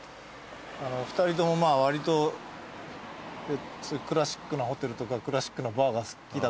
二人ともわりとクラシックなホテルとかクラシックなバーが好きだった。